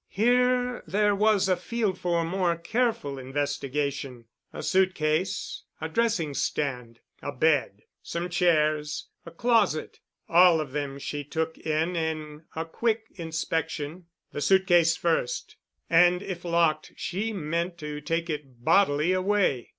Here there was a field for more careful investigation, a suit case, a dressing stand, a bed, some chairs, a closet—all of them she took in in a quick inspection. The suit case first—and if locked she meant to take it bodily away.